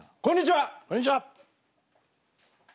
こんにちは！